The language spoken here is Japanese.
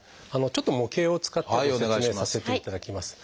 ちょっと模型を使ってご説明させていただきます。